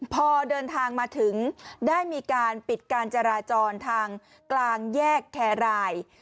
พอเดินทางมาถึงได้มีการปิดการจราจรทางกลางแยกแครราย